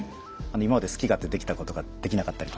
今まで好き勝手できたことができなかったりとか。